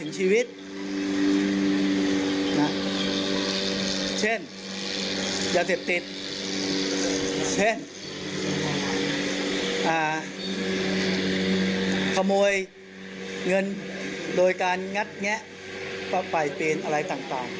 เช่นขโมยเงินโดยการงัดแงะปล่อยเปลี่ยนอะไรต่าง